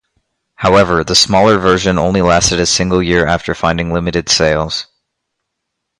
However, the smaller version only lasted a single year after finding limited sales.